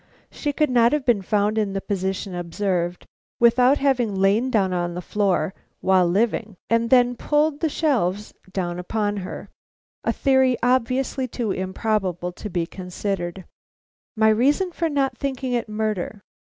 _ She could not have been found in the position observed without having lain down on the floor while living, and then pulled the shelves down upon herself. (A theory obviously too improbable to be considered.) _My reason for not thinking it murder.